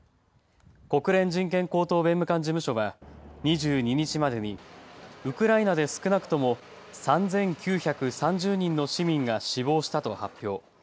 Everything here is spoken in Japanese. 国連人権高等弁務官事務所は２２日までにウクライナで少なくとも３９３０人の市民が死亡したと発表。